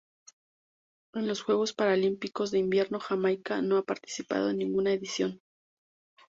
En los Juegos Paralímpicos de Invierno Jamaica no ha participado en ninguna edición.